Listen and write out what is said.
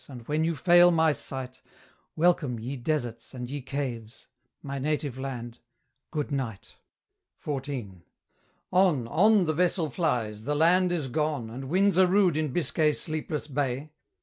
And when you fail my sight, Welcome, ye deserts, and ye caves! My Native Land Good Night! XIV. On, on the vessel flies, the land is gone, And winds are rude in Biscay's sleepless bay.